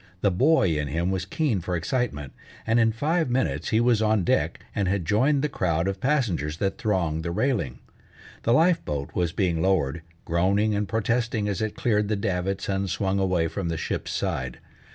The boy in him was keen for excitement, and in five minutes he was on deck, and had joined the crowd of passengers that thronged the railing. The life boat was being lowered, groaning and protesting as it cleared the davits and swung away from the ship's side.